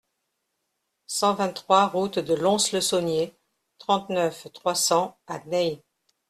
cent vingt-trois route de Lons-le-Saunier, trente-neuf, trois cents à Ney